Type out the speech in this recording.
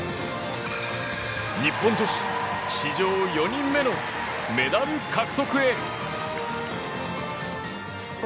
日本女子史上４人目のメダル獲得へ。